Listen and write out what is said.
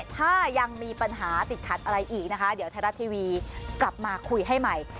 ถ้ายังมีปัญหาติดขัดอะไรอีกนะคะเดี๋ยวไทยรัฐทีวีกลับมาคุยให้ใหม่